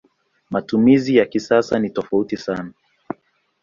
Matumizi ya kisasa ni tofauti sana.